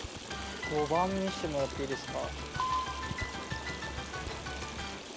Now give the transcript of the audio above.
５番見せてもらっていいですか？